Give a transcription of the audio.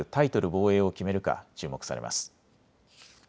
防衛を決めるか注目されます。